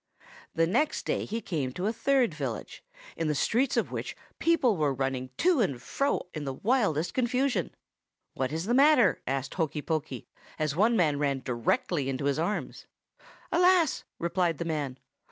"The next day he came to a third village, in the streets of which the people were all running to and fro in the wildest confusion. "'What is the matter?' asked Hokey Pokey, as one man ran directly into his arms. "'Alas!' replied the man.